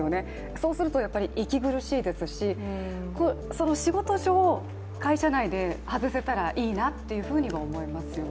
そうすると息苦しいですし、その仕事上、会社内で外せたらいいなっていうふうには思いますよね。